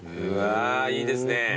あいいですね。